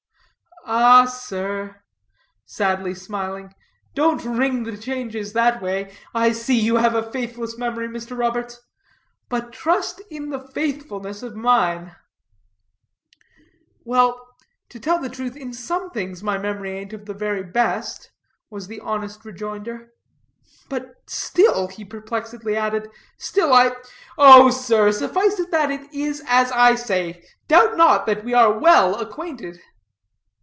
"Ah sir," sadly smiling, "don't ring the changes that way. I see you have a faithless memory, Mr. Roberts. But trust in the faithfulness of mine." "Well, to tell the truth, in some things my memory aint of the very best," was the honest rejoinder. "But still," he perplexedly added, "still I " "Oh sir, suffice it that it is as I say. Doubt not that we are all well acquainted."